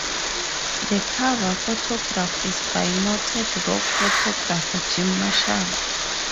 The cover photograph is by noted rock photographer Jim Marshall.